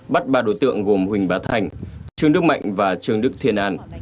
bắt ba đối tượng gồm huỳnh bá thành trương đức mạnh và trương đức thiên an